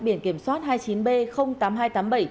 biển kiểm soát hai mươi chín b tám nghìn hai trăm tám mươi bảy